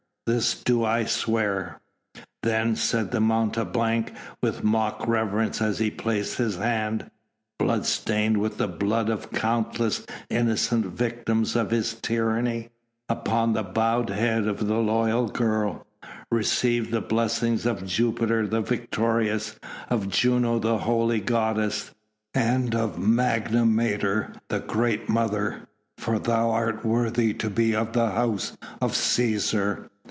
"This do I swear." "Then," said the mountebank with mock reverence as he placed his hand blood stained with the blood of countless innocent victims of his tyranny upon the bowed head of the loyal girl, "receive the blessing of Jupiter the victorious, of Juno the holy goddess, and of Magna Mater the great Mother, for thou art worthy to be of the House of Cæsar."